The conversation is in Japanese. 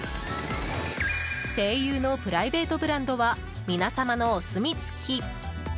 西友のプライベートブランドはみなさまのお墨付き。